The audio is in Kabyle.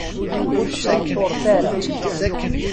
Ur sṭerṭuret ara.